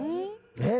えっ？